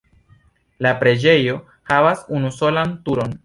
La preĝejo havas unusolan turon.